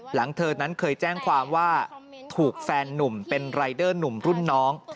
หลังเธอนั้นเคยแจ้งความว่าถูกแฟนนุ่มเป็นรายเดอร์หนุ่มรุ่นน้อง